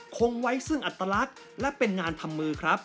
คงไว้ซึ่งอัตลักษณ์และเป็นงานทำมือครับ